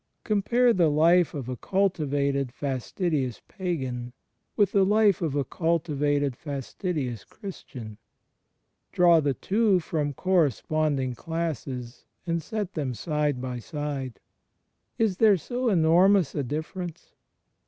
Compare the life of a cultivated fastidious pagan with the life of a cultivated fastidious Christian. Draw the two from corresponding classes and set them side by side. Is there so enormous a difference?